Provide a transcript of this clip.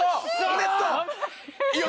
ネット！